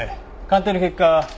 鑑定の結果